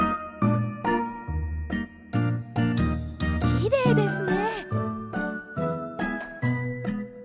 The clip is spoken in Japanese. きれいですね。